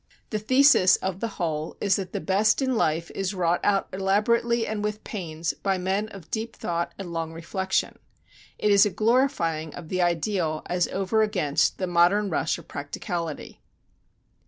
The thesis of the whole is that the best in life is wrought out elaborately and with pains by men of deep thought and long reflection. It is a glorifying of the ideal as over against the modern rush of practicality.